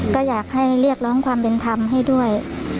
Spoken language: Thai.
ก็อยากให้เรียกร้องความเป็นธรรมให้ด้วย